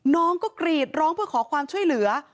น้องก็กรีดร้องเพื่อขอความช่วยเหลือ